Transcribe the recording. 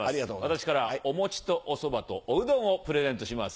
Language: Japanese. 私からはお餅とおそばとおうどんをプレゼントします。